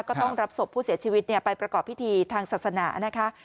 ก็ต้องรับศพผู้เสียชีวิตไปประกอบพิธีทางศาสนานะคะ